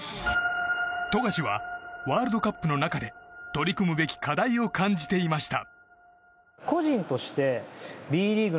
富樫は、ワールドカップの中で取り組むべき課題を感じていました。